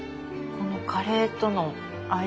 このカレーとの相性